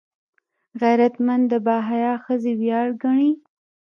غیرتمند د باحیا ښځې ویاړ ګڼي